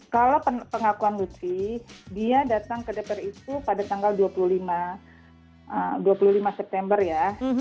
kalau pengakuan lutfi dia datang ke dpr itu pada tanggal dua puluh lima september ya